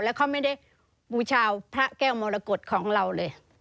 แล้วเขาไม่ได้บูชาพระแก้วมรกฏของเราเลย